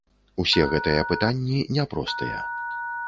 Усе гэтыя пытанні няпростыя.